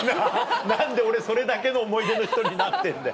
何で俺それだけの思い出の人になってんだよ。